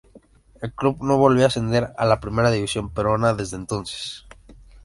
El club no volvió a ascender a la Primera División Peruana desde entonces.